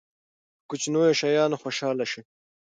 په کوچنیو شیانو خوشحاله شئ.